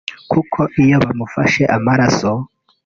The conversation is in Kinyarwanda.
kuko iyo bamufashe amaraso